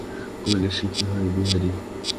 কহিল, সে কি হয়, বিহারী।